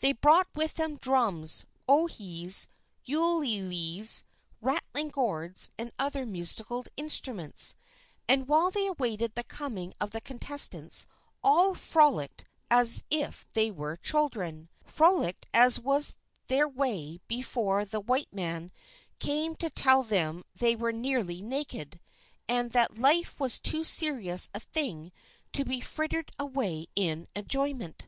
They brought with them drums, ohes, ulilis, rattling gourds and other musical instruments, and while they awaited the coming of the contestants all frolicked as if they were children frolicked as was their way before the white man came to tell them they were nearly naked, and that life was too serious a thing to be frittered away in enjoyment.